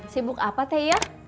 sibuk apa teh ya